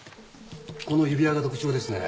この指輪が特徴ですね。